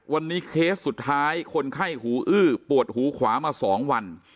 วันนี้เคสสุดท้ายคนไข้หูอื้อปวดหูขวามา๒วัน